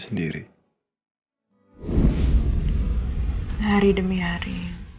sampai jumpa lagi